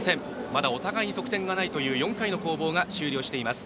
まだお互い得点がないという４回の攻防が終了しています。